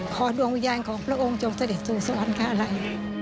ขอดวงวิญญาณของพระองค์จงเสร็จสุสลันท์ท้าลัย